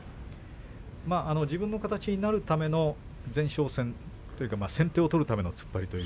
自分の形になるための前哨戦というか先手を取るための突っ張りという。